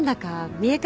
見え方？